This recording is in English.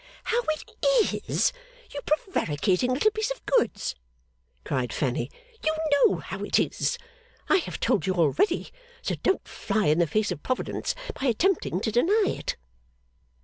'How it is, you prevaricating little piece of goods!' cried Fanny. 'You know how it is. I have told you already, so don't fly in the face of Providence by attempting to deny it!